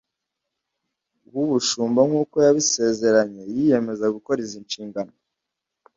w ubushumba nk uko yabisezeranye yiyemeza gukora izi nshingano